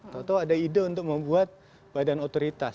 tau tau ada ide untuk membuat badan otoritas